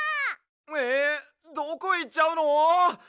えどこいっちゃうの！？